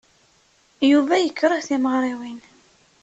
Yuba yekṛeh timeɣriwin.